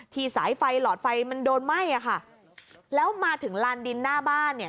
สายไฟหลอดไฟมันโดนไหม้อะค่ะแล้วมาถึงลานดินหน้าบ้านเนี่ย